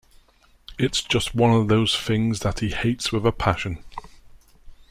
It's just one of those things that he hates with a passion.